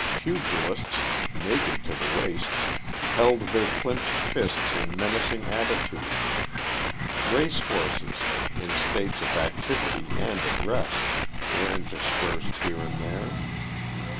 Pugilists, naked to the waists, held their clinched fists in menacing attitudes. Race horses, in states of activity and at rest, were interspersed here and there.